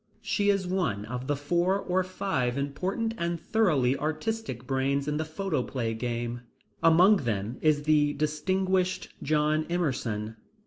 She is one of the four or five important and thoroughly artistic brains in the photoplay game. Among them is the distinguished John Emerson.